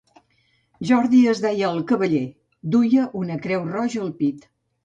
Jordi es deia el cavaller, duia una creu roja al pit.